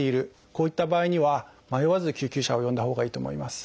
こういった場合には迷わず救急車を呼んだほうがいいと思います。